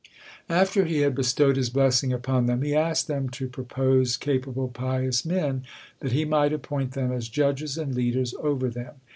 After he had bestowed his blessing upon them, he asked them to propose capable pious men, that he might appoint them as judges and leaders over them.